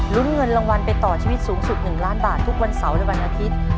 ลุ้นเงินรางวัลไปต่อชีวิตสูงสุด๑ล้านบาททุกวันเสาร์และวันอาทิตย์